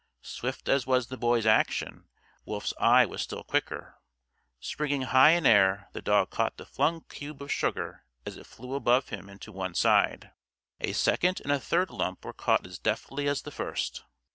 Swift as was the Boy's action, Wolf's eye was still quicker. Springing high in air, the dog caught the flung cube of sugar as it flew above him and to one side. A second and a third lump were caught as deftly as the first.